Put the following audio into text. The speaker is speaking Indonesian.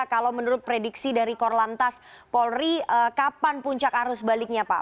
kalau menurut prediksi dari korlantas polri kapan puncak arus baliknya pak